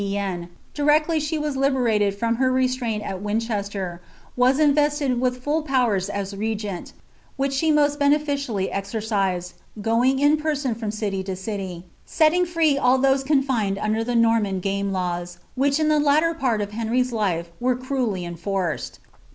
190 ^ Elfianom of Gnienne, directly she was liberated from her restraint t Winchester, was invested with full powers as regent, which she most eoeficially exercised, going in person from city to city, setting free all lose confined under the Norman game laws, which in the latter part of feniy's life were cruelly enforced.